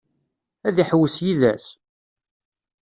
Ad iḥewwes yid-s?